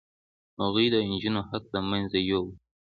هغوی د نجونو حق له منځه یووړ.